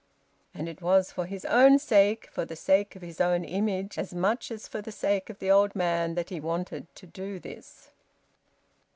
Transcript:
And it was for his own sake, for the sake of his own image, as much as for the sake of the old man, that he wanted to do this.